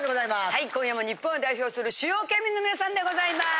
はい今夜も日本を代表する主要県民の皆さんでございます。